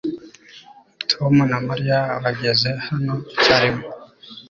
Tom na Mariya bageze hano icyarimwe